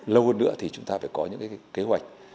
lâu hơn nữa thì chúng ta phải có những cái kế hoạch